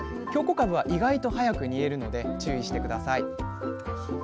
かぶは意外と早く煮えるので注意して下さい。